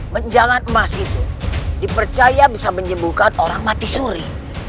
menjalan emas itu dipercaya bisa menyembuhkan orang mati suri